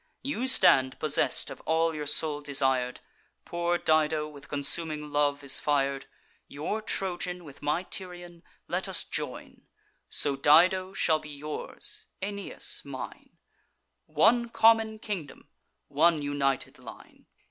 You stand possess'd of all your soul desir'd: Poor Dido with consuming love is fir'd. Your Trojan with my Tyrian let us join; So Dido shall be yours, Aeneas mine: One common kingdom, one united line.